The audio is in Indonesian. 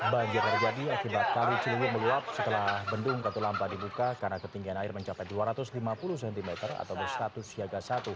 banjir terjadi akibat kali ciliwung meluap setelah bendung katulampa dibuka karena ketinggian air mencapai dua ratus lima puluh cm atau berstatus siaga satu